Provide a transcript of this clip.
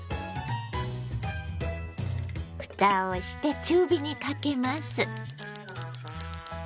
ふたをして中火にかけます。